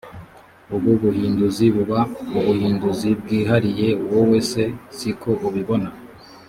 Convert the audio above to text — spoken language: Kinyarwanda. ubu buhinduzi buba ubuhinduzi bwihariye wowe se si ko ubibona